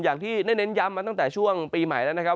อย่างที่ได้เน้นย้ำมาตั้งแต่ช่วงปีใหม่แล้วนะครับ